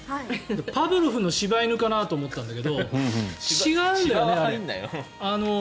パブロフの柴犬かなと思ったんだけど違うんだよね。